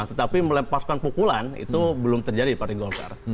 tetapi melepaskan pukulan itu belum terjadi di partai golkar